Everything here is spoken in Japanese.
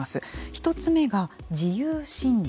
１つ目が自由診療。